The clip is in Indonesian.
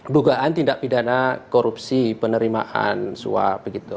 dugaan tindak pidana korupsi penerimaan swab gitu